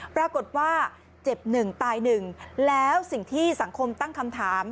ปรากฏว่าเจ็บหนึ่งตายหนึ่งแล้วสิ่งที่สังคมตั้งคำถาม